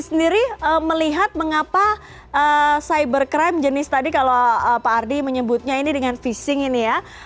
sendiri melihat mengapa cybercrime jenis tadi kalau pak ardi menyebutnya ini dengan phishing ini ya